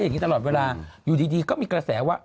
อย่างนี้ตลอดเวลาอยู่ดีก็มีกระแสว่า